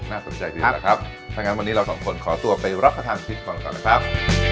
น่าสนใจดีหรอครับถ้างั้นวันนี้เราสองคนขอตัวไปรับกระทั่งคลิปของเราก่อนนะครับ